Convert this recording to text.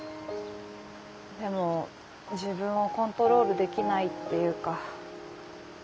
でも自分をコントロールできないっていうか。